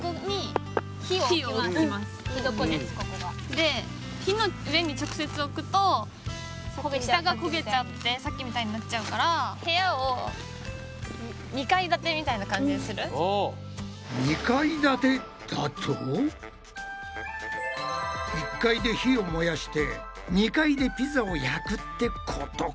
で火の上に直接置くと下が焦げちゃってさっきみたいになっちゃうから部屋を１階で火を燃やして２階でピザを焼くってことか？